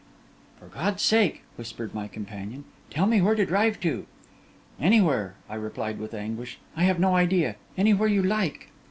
'For God's sake,' whispered my companion, 'tell me where to drive to.' 'Anywhere,' I replied with anguish. 'I have no idea. Anywhere you like.